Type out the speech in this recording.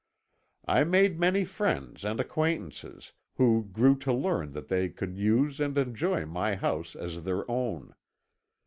"I made many friends and acquaintances, who grew to learn that they could use and enjoy my house as their own.